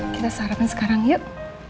kita sarapin sekarang yuk